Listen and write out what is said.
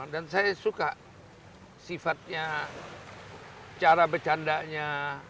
dan saya suka sifatnya cara becandanya